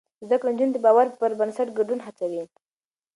زده کړې نجونې د باور پر بنسټ ګډون هڅوي.